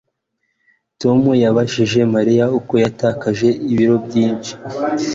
Tom yabajije Mariya uko yatakaje ibiro byinshi